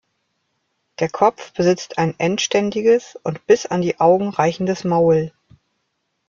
Der Kopf besitzt ein endständiges und bis an die Augen reichendes Maul.